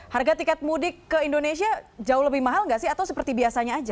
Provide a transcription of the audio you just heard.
harga tiket mudik ke indonesia jauh lebih mahal nggak sih atau seperti biasanya aja